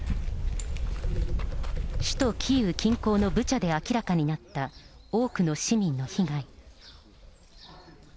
首都キーウ近郊のブチャで明らかになった多くの市民の被害。